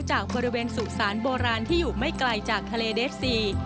จากบริเวณสู่สารโบราณที่อยู่ไม่ไกลจากทะเลเดฟซี